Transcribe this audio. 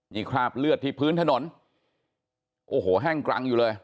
นี่คราบเลือดที่พื้นถนนโอ้โหแห้งกรังอยู่เลย